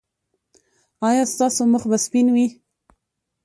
ایا ستاسو مخ به سپین وي؟